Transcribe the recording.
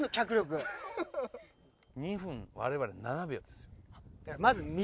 ２分我々７秒ですよ。